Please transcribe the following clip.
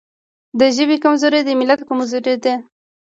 د ژبې کمزوري د ملت کمزوري ده.